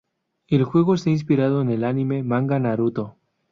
El juego está inspirado en el anime-manga Naruto.